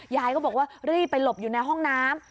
ยายก็บอกว่ารีบไปหลบอยู่ในห้องน้ำ